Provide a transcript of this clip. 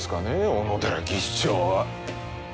小野寺技師長は。